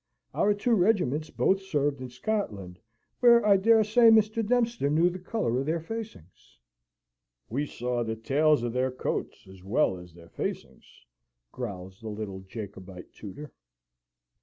Our two regiments both served in Scotland, where I dare say Mr. Dempster knew the colour of their facings." "We saw the tails of their coats, as well as their facings," growls the little Jacobite tutor.